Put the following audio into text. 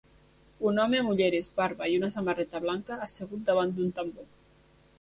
un home amb ulleres, barba i una samarreta blanca assegut davant d'un tambor.